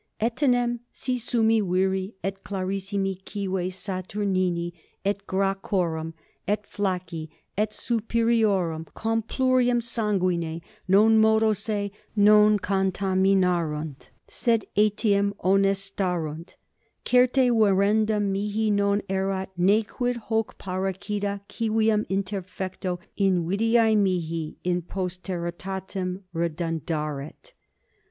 Etenim si summi viri et clarissimi cives Saturnini et Gracchorum et Flacci et superiorum complurium sanguine non modo se non contaminarunt, sed etiam honestarunt, certe verendum mihi non erat, ne quid hoc parricida civium interfecto invidiae mihi in posteritatem redundaret.